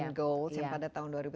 yang pada tahun dua ribu tiga belas